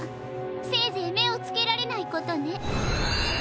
せいぜいめをつけられないことね。